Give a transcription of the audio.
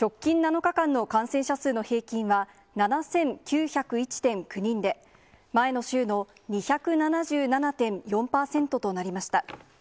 直近７日間の感染者数の平均は、７９０１．９人で、前の週の２７７．４％となりました。